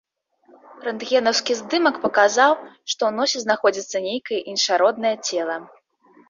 Рэнтгенаўскі здымак паказаў, што ў носе знаходзіцца нейкае іншароднае цела.